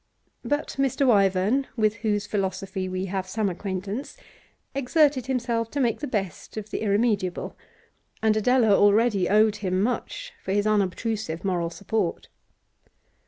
But Mr. Wyvern, with whose philosophy we have some acquaintance, exerted himself to make the best of the irremediable, and Adela already owed him much for his unobtrusive moral support.